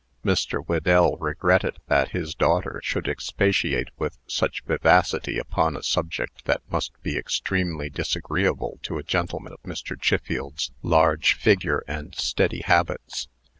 Mr. Whedell regretted that his daughter should expatiate with such vivacity upon a subject that must be extremely disagreeable to a gentleman of Mr. Chiffield's large figure and steady habits.